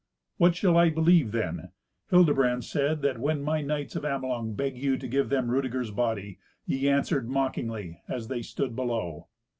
"What shall I believe then? Hildebrand said that when my knights of Amelung begged you to give them Rudeger's body, ye answered mockingly, as they stood below."